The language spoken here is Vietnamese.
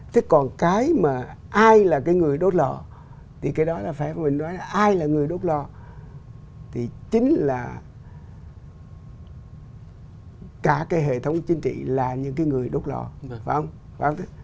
thế còn cái mà ai là cái người đốt lò thì cái đó là phải mình nói là ai là người đốt lò thì chính là cả cái hệ thống chính trị là những cái người đốt lò mà phải ông